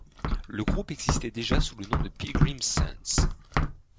Le groupe existait déjà sous le nom de Pilgrim Sands.